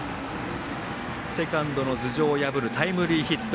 セカンドの頭上を破るタイムリーヒット。